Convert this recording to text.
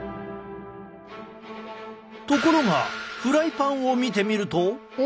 ところがフライパンを見てみると。